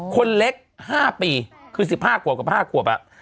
คนเล็กห้าปีคือสิบห้ากวบกับห้ากวบอ่ะ